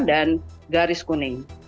dan garis kuning